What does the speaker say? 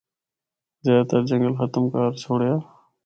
زیادہ تر جنگل ختم کر چُھڑیا۔